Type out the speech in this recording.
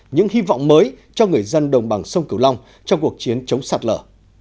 những hy vọng mới cho người dân đồng bằng sông kiều long trong cuộc chiến chống sạt lỡ